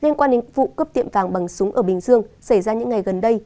nên quan hệ vụ cướp tiệm vàng bằng súng ở bình dương xảy ra những ngày gần đây